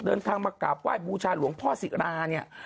เดินทางมากราบไหว้บูชาหลวงพ่อศิลาเนี่ย